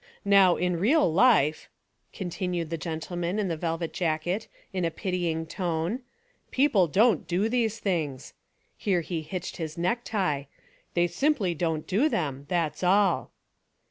Now in real life," continued the gentleman in the velvet jacket in a pitying tone — "people don't do these things," — (Here he hitched his necktie) "they simply don't do them, that's all."